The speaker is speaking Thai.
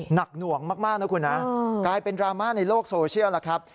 หน่วงมากนะคุณนะกลายเป็นดราม่าในโลกโซเชียลแล้วครับ